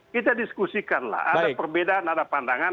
kita diskusikanlah ada perbedaan ada pandangan